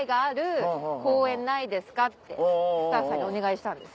スタッフさんにお願いしたんです。